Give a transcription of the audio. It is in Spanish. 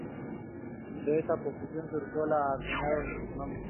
De esta oposición surgió la acuñación de su nombre.